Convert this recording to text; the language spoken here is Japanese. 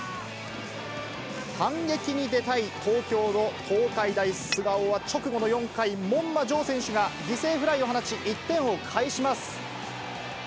反撃に出たい東京の東海大菅生は直後の４回、門間丈選手が犠牲フライを放ち、１点を返します。